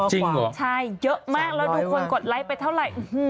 ใช่เยอะมากแล้วดูคนกดไลค์ไปเท่าไหร่